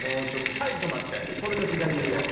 はい止まってそれの左上。